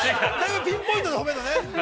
◆ピンポイントで褒めるのね。